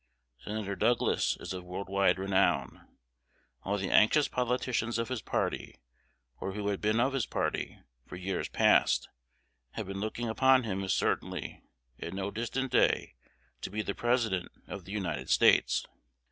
Senator Douglas is of worldwide renown. All the anxious politicians of his party, or who had been of his party for years past, have been looking upon him as certainly, at no distant day, to be the President of the United States.